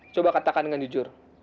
coba katakan dengan jujur